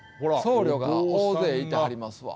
僧侶が大勢いてはりますわ。